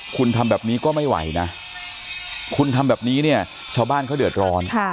คุณทำแบบนี้ก็ไม่ไหวนะคุณทำแบบนี้เนี่ยชาวบ้านเขาเดือดร้อน